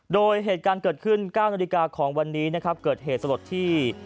โดยเหตุการณ์เกิดขึ้น๙นาฬิกาของวันนี้นะครับเกิดเหตุสลดที่